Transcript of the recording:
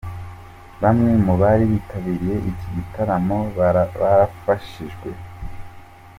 Bamwe mu bari bitabiriye iki gitaramo barafashijwe.